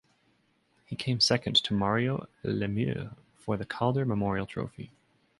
He came second to Mario Lemieux for the Calder Memorial Trophy.